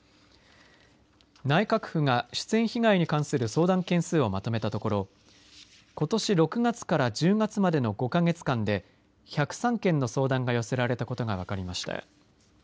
内閣府が出演被害に関する相談件数をまとめたところことし６月から１０月までの５か月間で１０３件の相談が寄せられたことが分かりました。